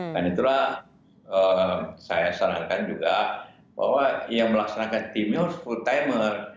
dan itulah saya sarankan juga bahwa yang melaksanakan timnya harus full timer